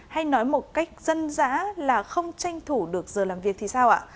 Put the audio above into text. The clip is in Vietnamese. hay nói một cách dân dã là không tranh thủ được giờ làm việc thì sao ạ